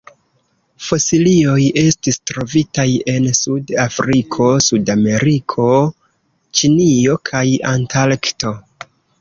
Fosilioj estis trovitaj en Sud-Afriko, Sudameriko, Ĉinio kaj Antarkto.